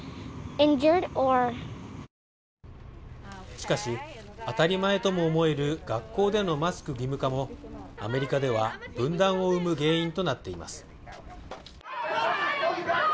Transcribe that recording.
しかし当たり前とも思える学校でのマスク義務化もアメリカでは分断を生む原因となっています